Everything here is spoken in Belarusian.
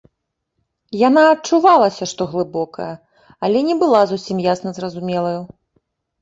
Яна адчувалася, што глыбокая, але не была зусім ясна зразумелаю.